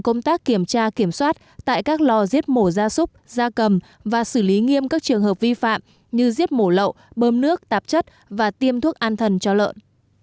của gia súc gia cầm và xử lý nghiêm các trường hợp vi phạm như giết mổ lậu bơm nước tạp chất và tiêm thuốc an thần cho lợn